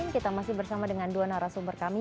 kita masih bersama dengan dua narasumber kami